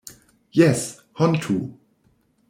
Jes, hontu!